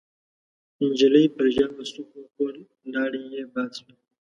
نجلۍ پر ژامه سوک وخوړ، لاړې يې باد شوې.